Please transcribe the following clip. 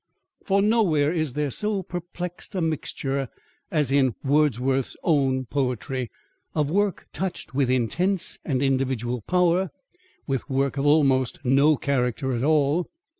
For nowhere is there so perplexed a mixture as in Wordsworth's own poetry, of work touched with intense and individual power, with work of almost no character at all.